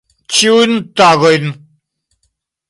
Ĉiujn tagojn.